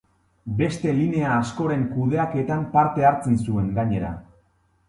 Beste linea askoren kudeaketan parte hartzen zuen, gainera.